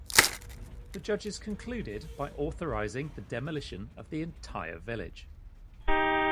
The judges concluded by authorizing the demolition of the entire village.